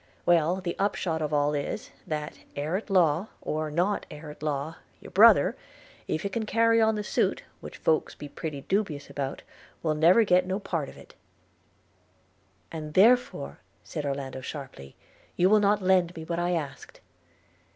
– Well! the upshot of all is, that, heir at law, or not heir at law, your brother, if he can carry on the suit, which folks be pretty dubous about, will never get no part of it' – 'And, therefore,' said Orlando sharply, 'you will not lend me what I asked?